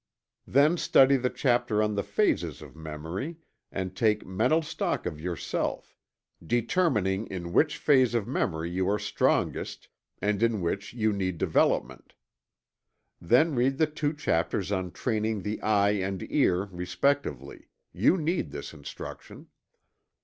Then study the chapter on the phases of memory, and take mental stock of yourself, determining in which phase of memory you are strongest, and in which you need development. Then read the two chapters on training the eye and ear, respectively you need this instruction.